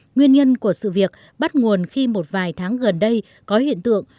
nguyên nhân của sự việc bắt nguồn khi một vài tháng gần đây có hiện tượng